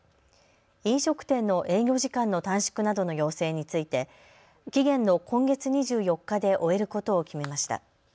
飲食店の営業時間の短縮などの要請について期限の今月２４日で終えることを決めました。